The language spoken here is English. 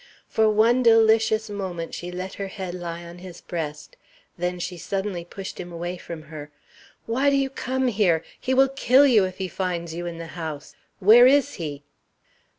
For one delicious moment she let her head lie on his breast; then she suddenly pushed him away from her. "Why do you come here? He will kill you if he finds you in the house. Where is he?"